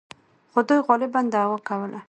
خو دوی غالباً دعوا کوله.